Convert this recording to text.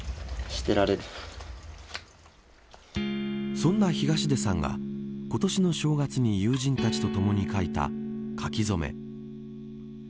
そんな東出さんが今年の正月に友人たちとともに書いた書き初め。